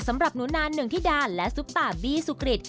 สำหรับหนูนานหนึ่งธิดาและซุปตาบี้สุกริต